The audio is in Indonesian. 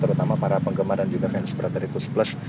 terutama para penggemar dan juga fans praterikus plus